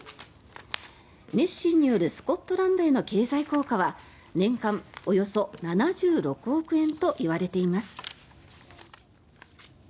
ネッシーによるスコットランドへの経済効果は年間およそ７６億円と言われています。